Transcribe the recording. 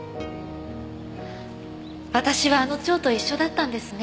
私はあの蝶と一緒だったんですね。